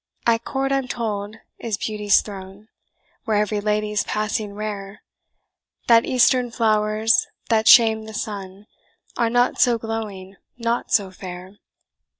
"At court, I'm told, is beauty's throne, Where every lady's passing rare, That Eastern flowers, that shame the sun, Are not so glowing, not so fair.